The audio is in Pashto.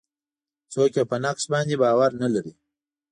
څوک یې په نقش باندې باور نه لري.